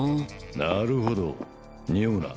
なるほどにおうな。